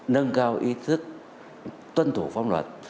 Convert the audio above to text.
nâng cao ý thức tuân thủ pháp luật